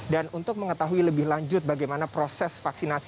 untuk mengetahui lebih lanjut bagaimana proses vaksinasi